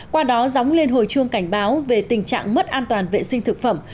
qua đó dóng lên hồi chuông cảnh báo về tình trạng mất an toàn vệ sinh thực phẩm